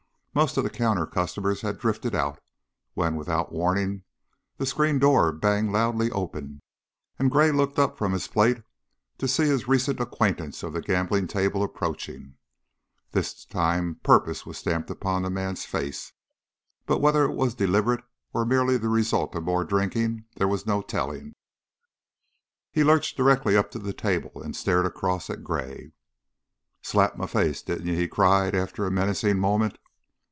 Most of the counter customers had drifted out when, without warning, the screen door banged loudly open and Gray looked up from his plate to see his recent acquaintance of the gambling table approaching. This time purpose was stamped upon the man's face, but whether it was deliberate or merely the result of more drinking there was no telling. He lurched directly up to the table and stared across at Gray. "Slapped my face, didn't you?" he cried, after a menacing moment.